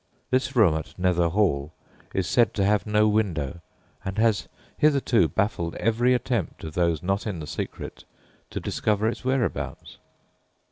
This room at Nether Hall is said to have no window, and has hitherto baffled every attempt of those not in the secret to discover its whereabouts.